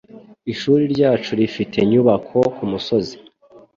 Ishuri ryacu rifite nyubako kumusozi